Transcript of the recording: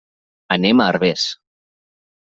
Anem a Herbers.